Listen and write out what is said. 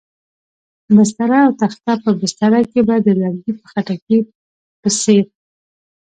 بستره او تخته، په بستره کې به د لرګي په خټکي په څېر.